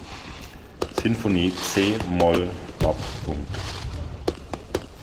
Sinfonie c-Moll op.